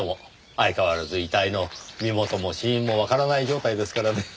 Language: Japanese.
相変わらず遺体の身元も死因もわからない状態ですからねぇ。